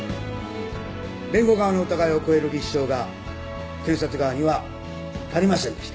弁護側の疑いを超える立証が検察側には足りませんでした。